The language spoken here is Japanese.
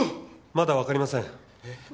まだわかりません。